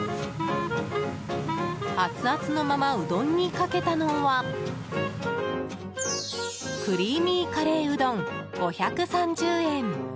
アツアツのままうどんにかけたのはクリーミーカレーうどん５３０円。